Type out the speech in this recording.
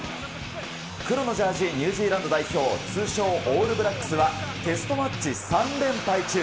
黒のジャージ、ニュージーランド代表、通称オールブラックスは、テストマッチ３連敗中。